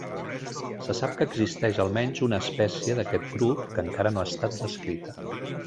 Se sap que existeix almenys una espècie d'aquest grup que encara no ha estat descrita.